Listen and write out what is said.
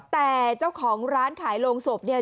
แต่เจ้าของร้านขายโรงศพเนี่ย